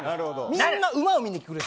みんな馬を見に来るし。